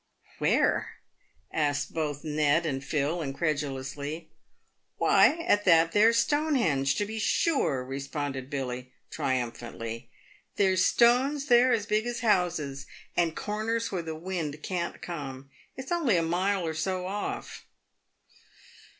" Where ?" asked both Ned and Phil, incredulously. " Why, at that there Stonehenge, to be sure !" responded Billy, triumphantly. " There's stones there as big as. houses, and corners where the wind can't come. It's only a mile or so off!"